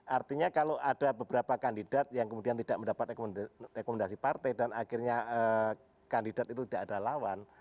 artinya kalau ada beberapa kandidat yang kemudian tidak mendapat rekomendasi partai dan akhirnya kandidat itu tidak ada lawan